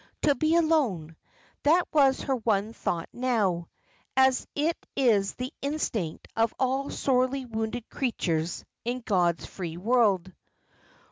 To be alone that was her one thought now, as it is the instinct of all sorely wounded creatures in God's free world.